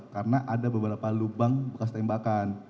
karena ada beberapa lubang bekas tembakan